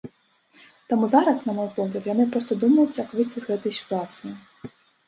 Таму зараз, на мой погляд, яны проста думаюць, як выйсці з гэтай сітуацыі.